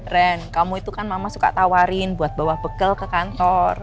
ren kamu itu kan mama suka tawarin buat bawa bekal ke kantor